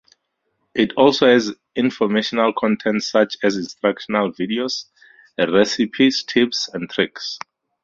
It also has informational content such as instructional videos, recipes, tips and tricks.